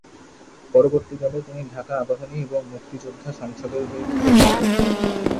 পরবর্তীকালে, তিনি ঢাকা আবাহনী এবং মুক্তিযোদ্ধা সংসদের হয়ে খেলেছিলেন।